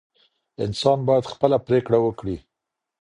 انسان باید خپله پرېکړه وکړي.